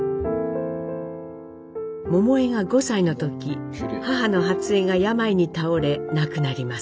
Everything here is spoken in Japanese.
桃枝が５歳の時母の初枝が病に倒れ亡くなります。